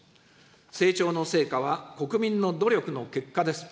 成長の成果は国民の努力の結果です。